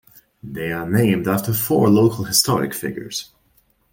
They are named after four local historic figures.